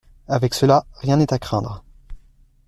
Avec cela rien n'est à craindre.